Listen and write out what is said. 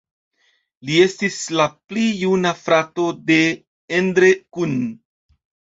Li estis la pli juna frato de Endre Kun.